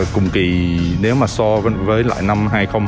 cùng kỳ nếu mà so với lại năm hai nghìn hai mươi